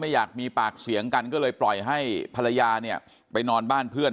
อยากมีปากเสียงกันก็เลยปล่อยให้ภรรยาเนี่ยไปนอนบ้านเพื่อน